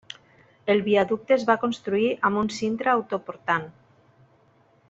El viaducte es va construir amb cintra autoportant.